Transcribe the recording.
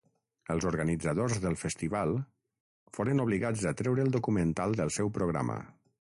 Els organitzadors del festival foren obligats a treure el documental del seu programa.